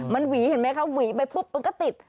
มันหวีเห็นไหมคะหวีไปปุ๊บมันก็ติด